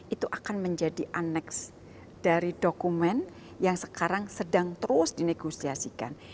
itu akan menjadi aneks dari dokumen yang sekarang sedang terus dinegosiasikan